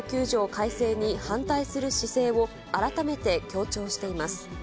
改正に反対する姿勢を改めて強調しています。